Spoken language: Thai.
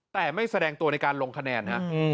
แต่ไม่แสดงตัวในการลงคะแนนฮะ